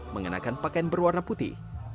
mengenakan pakaian berwarna putih